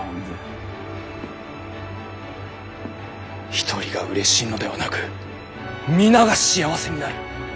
一人がうれしいのではなく皆が幸せになる。